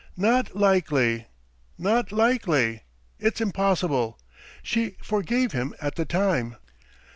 "Not likely, not likely! ... it's impossible. She forgave him at the time."